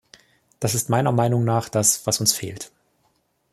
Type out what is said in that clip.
Das ist meiner Meinung nach das, was uns fehlt.